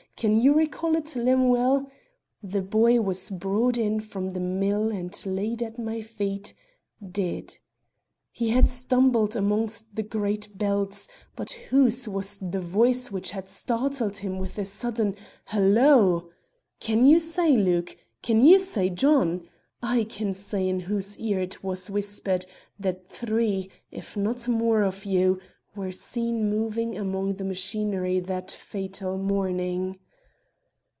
can you recall it, Lemuel? the boy was brought in from the mill and laid at my feet, dead! He had stumbled amongst the great belts, but whose was the voice which had startled him with a sudden 'Halloo!' Can you say, Luke? Can you say, John? I can say in whose ear it was whispered that three, if not more of you, were seen moving among the machinery that fatal morning.